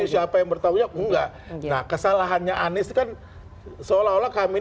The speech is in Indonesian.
banjirnya siapa yang bertahunya enggak nah kesalahannya anies kan seolah olah kami